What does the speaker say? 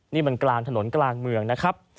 นี่มันกลางถนนกลางเมืองนะครับ